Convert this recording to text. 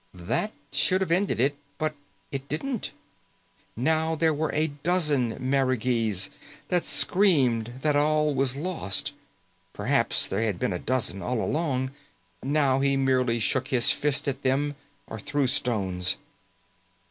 That should have ended it, but it didn't. Now there were a dozen marigees that screamed that all was lost. Perhaps there had been a dozen all along. Now he merely shook his fist at them or threw stones.